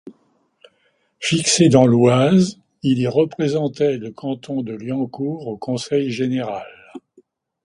Fixé dans l'Oise, il y représentait le canton de Liancourt au conseil général.